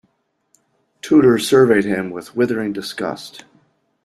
Tudor surveyed him with withering disgust.